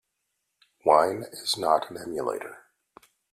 Wine is not an emulator.